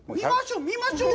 見ましょう！